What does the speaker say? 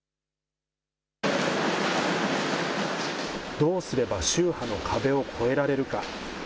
どうすれば宗派の壁を越えられるか。